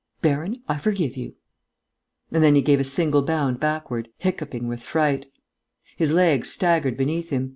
"Baron, I forgive you!" And then he gave a single bound backward, hiccoughing with fright. His legs staggered beneath him.